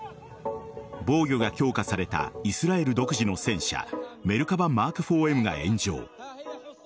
防御が強化されたイスラエル独自の戦車メルカバ・マーク４Ｍが炎上。